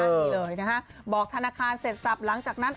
นี่เลยนะฮะบอกธนาคารเสร็จสับหลังจากนั้น